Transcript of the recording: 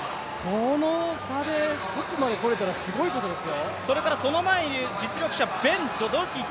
この差でトップまでこれたら、すごいですよ。